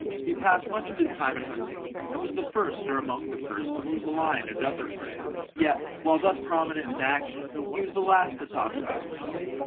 He passed much of his time in hunting, and was the first, or among the first, to wound the lion and other prey ; yet, while thus prominent in action, he was the last to talk about himself.